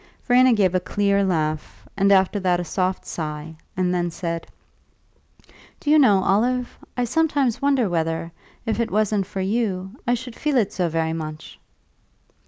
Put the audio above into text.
Verena gave a clear laugh, and after that a soft sigh, and then said, "Do you know, Olive, I sometimes wonder whether, if it wasn't for you, I should feel it so very much!"